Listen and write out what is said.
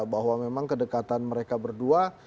bahwa memang kedekatan mereka berdua